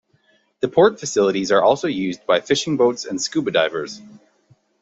The port facilities are also used by fishing boats and scuba divers.